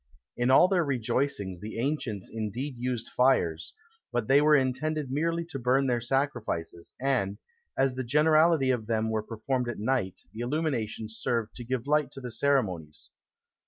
In all their rejoicings the ancients indeed used fires; but they were intended merely to burn their sacrifices, and, as the generality of them were performed at night, the illuminations served to give light to the ceremonies.